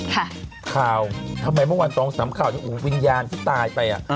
ค่ะข่าวทำไมเมื่อวัน๒๓ข่าวที่วิญญาณที่ตายไป